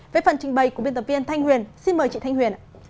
với phần trình bày của biên tập viên thanh huyền xin mời chị thanh huyền